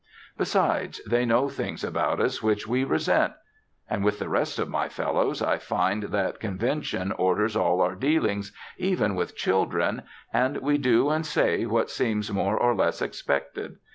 Besides, they know things about us which we resent.... And with the rest of my fellows, I find that convention orders all our dealings, even with children, and we do and say what seems more or less expected.